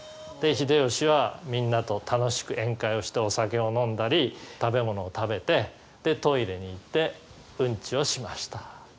で秀吉はみんなと楽しく宴会をしてお酒を飲んだり食べ物を食べてでトイレに行ってうんちをしました。